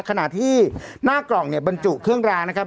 ขณะที่หน้ากล่องเนี่ยบรรจุเครื่องรางนะครับ